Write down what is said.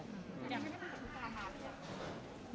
ยังไม่ได้คุยกับคุณตาทาหรือยัง